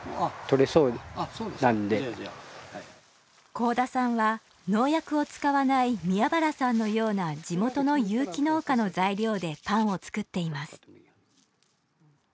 甲田さんは農薬を使わない宮原さんのような地元の有機農家の材料でパンを作っています。